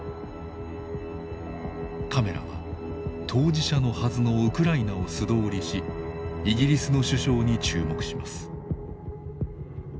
カメラは当事者のはずのウクライナを素通りしイギリスの首相に注目します。